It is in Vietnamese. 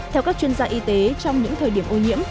theo các chuyên gia y tế trong những thời điểm ô nhiễm